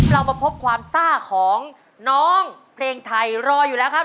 เรามาพบความซ่าของน้องเพลงไทยรออยู่แล้วครับ